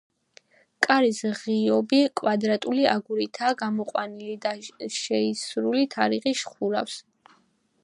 კარის ღიობი კვადრატული აგურითაა გამოყვანილი და შეისრული თაღი ხურავს.